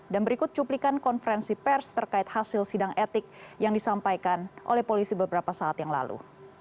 dan berikut cuplikan konferensi pers terkait hasil sidang etik yang disampaikan oleh polisi beberapa saat yang lalu